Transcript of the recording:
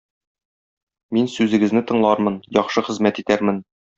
Мин сүзегезне тыңлармын, яхшы хезмәт итәрмен.